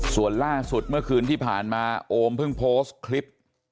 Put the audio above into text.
ส่วนล่าสุดเมื่อคืนที่ผ่านมาโอมเพิ่งโพสต์คลิป